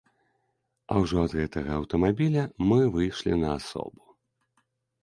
А ўжо ад гэтага аўтамабіля мы выйшлі на асобу.